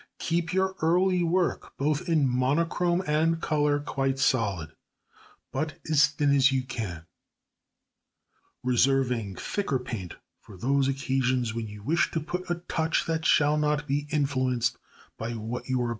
Keep your early work both in monochrome and colour #quite solid#, but as thin as you can, reserving thicker paint for those occasions when you wish to put a touch that shall not be influenced by what you are painting into.